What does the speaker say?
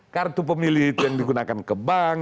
kartu pemilih itu yang digunakan ke bank